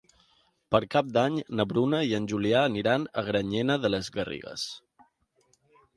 Per Cap d'Any na Bruna i en Julià aniran a Granyena de les Garrigues.